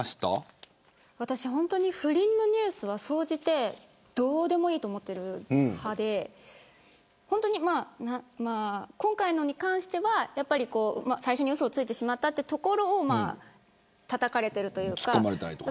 不倫のニュースは総じてどうでもいいと思っている派で今回のに関しては最初にうそついてしまったというところをたたかれているというか。